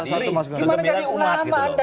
gimana jadi umat